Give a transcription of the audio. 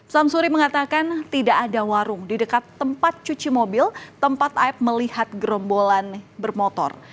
samsuri mengatakan tidak ada warung di dekat tempat cuci mobil tempat aib melihat gerombolan bermotor